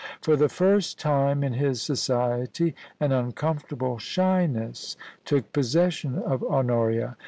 For the first time in his society an uncomfortable shyness took possession of Honoria.